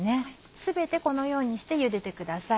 全てこのようにして茹でてください。